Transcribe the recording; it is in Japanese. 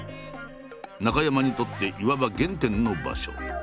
中山にとっていわば原点の場所。